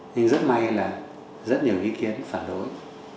nhưng rất may là rất nhiều ý kiến phản đối